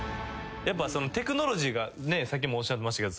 テクノロジーがさっきもおっしゃってましたけど。